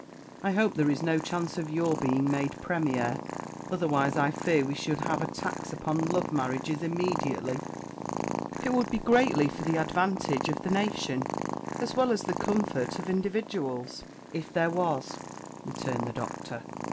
I hope there is no chance of your being made Premier, otherwise I fear we should have a tax upon love marriages immediately." "It would be greatly for the advantage of the nation, as well as the comfort of individuals, if there was," returned the Doctor.